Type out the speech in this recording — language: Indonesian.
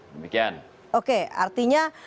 demikian oke artinya